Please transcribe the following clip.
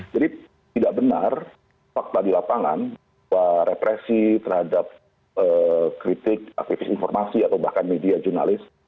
jadi tidak benar fakta di lapangan bahwa represi terhadap kritik aktivis informasi atau bahkan media jurnalis